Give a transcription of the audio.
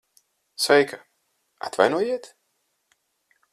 Sveika. Atvainojiet...